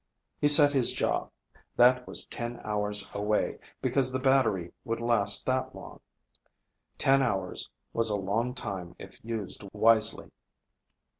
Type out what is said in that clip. He set his jaw. That was ten hours away, because the battery would last that long. Ten hours was a long time if used wisely.